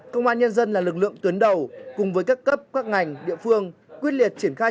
công an nhân dân là lực lượng tuyến đầu cùng với các cấp các ngành địa phương quyết liệt triển khai